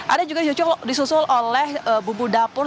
ada juga cocok disusul oleh bumbu dapur